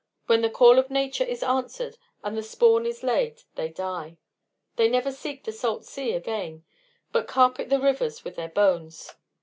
When the call of nature is answered and the spawn is laid they die. They never seek the salt sea again, but carpet the rivers with their bones.